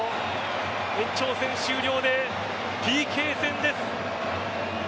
延長戦終了でＰＫ戦です。